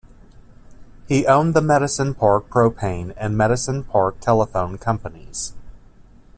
He owned the Medicine Park Propane and Medicine Park Telephone companies.